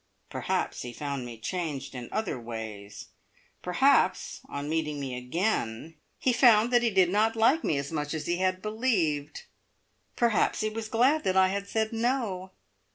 Perhaps he found me changed in other ways. Perhaps on meeting me again he found he did not like me as much as he had believed. Perhaps he was glad that I had said "No".